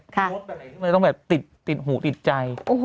มันไม่ต้องแบบที่ติดหูติดใจ